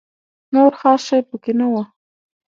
نور خاص شی په کې نه و.